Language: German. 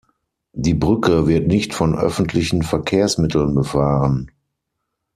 Die Brücke wird nicht von öffentlichen Verkehrsmitteln befahren.